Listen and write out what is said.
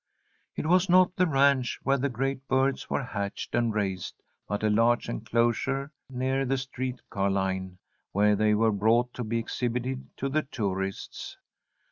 It was not the ranch where the great birds were hatched and raised, but a large enclosure near the street car line, where they were brought to be exhibited to the tourists.